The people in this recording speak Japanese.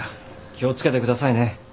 気を付けてくださいね。